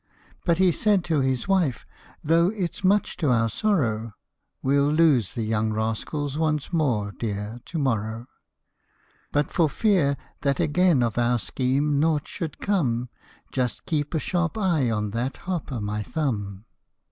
But he said to his wife, " Though it 's much to our sorrow, We '11 lose the young rascals once more, dear, to morrow. But for fear that again of our scheme nought should come, Just keep a sharp eye on that Hop o' my Thumb."